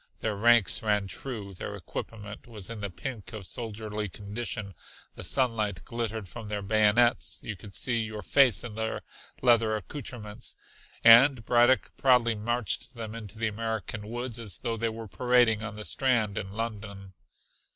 Their ranks ran true, their equipment was in the pink of soldierly condition; the sunlight glittered from their bayonets, you could see your face in their leather accouterments, and Braddock proudly marched them into the American woods as though they were parading on the Strand in London.